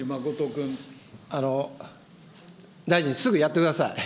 大臣、すぐやってください。